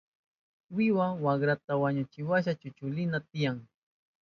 Wiwa wakrata wañuchishkanwasha chunchulinan tiyan.